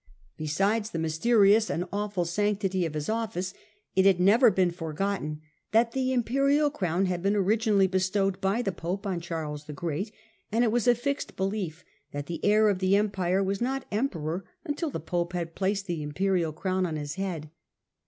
Besides the mysterious and awful sanctity of his office, it had never been forgotten that the imperial crown had been originally bestowed by the pope on Charles the Great, and it was a fixed belief that the heir of the empire was not emperor until the pope had placed the imperial crown on his head.